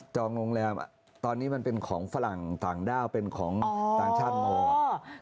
โรงแรมตอนนี้มันเป็นของฝรั่งต่างด้าวเป็นของต่างชาติหมด